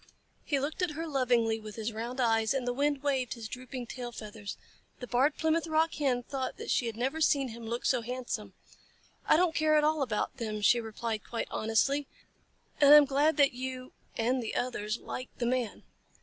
He looked at her lovingly with his round eyes, and the wind waved his drooping tail feathers. The Barred Plymouth Rock Hen thought that she had never seen him look so handsome. "I don't care at all about them," she replied quite honestly, "and I am glad that you and the others like the Man."